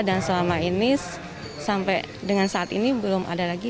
dan selama ini sampai dengan saat ini belum ada lagi